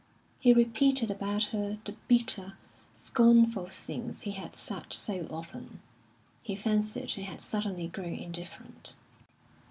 He repeated about her the bitter, scornful things he had said so often. He fancied he had suddenly grown indifferent.